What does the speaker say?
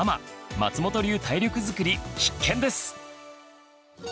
松本流体力づくり必見です！